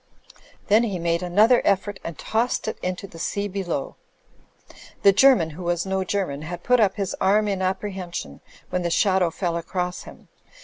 Then he made another effort and tossed it into the sea below. The German, who was no German, had put up his arm in apprehension when the shadow fell across him.